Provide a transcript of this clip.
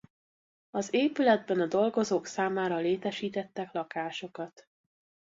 Az épületben a dolgozók számára létesítettek lakásokat.